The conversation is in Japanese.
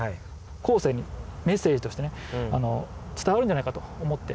後世にメッセージとしてね、伝わるんじゃないかと思って。